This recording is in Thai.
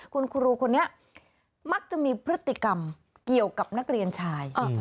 คุณครูคนนี้มักจะมีพฤติกรรมเกี่ยวกับนักเรียนชาย